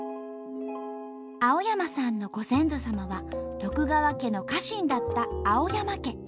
青山さんのご先祖様は徳川家の家臣だった青山家。